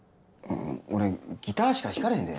俺ギターしか弾かれへんで？